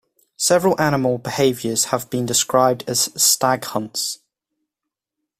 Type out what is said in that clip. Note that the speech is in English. Several animal behaviors have been described as stag hunts.